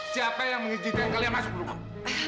siapa yang mengijinkan kalian masuk rumah